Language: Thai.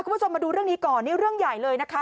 คุณผู้ชมมาดูเรื่องนี้ก่อนนี่เรื่องใหญ่เลยนะคะ